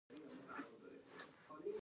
دنګه ونه او ښایسته قواره لري.